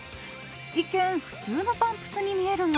一見普通のパンプスに見えるが